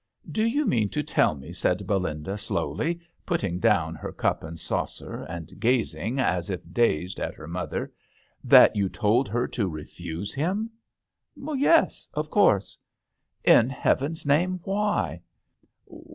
" Do you mean to tell me," said Belinda, slowly, putting down her cup and saucer and gazing as if dazed at her mother, that you told her to refuse him ?"" Yes, of course." " In Heaven's name, why